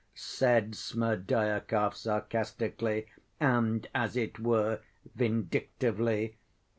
said Smerdyakov sarcastically, and, as it were, vindictively.